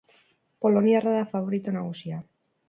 Poloniarra da faborito nagusia.